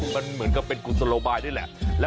มันเหมือนกับเป็นกุศโลบายด้วยแหละ